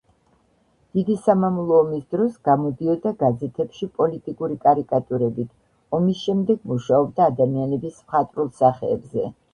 დიდი სამამულო ომის დროს გამოდიოდა გაზეთებში პოლიტიკური კარიკატურებით, ომის შემდეგ მუშაობდა ადამიანების მხატვრულ სახეებზე.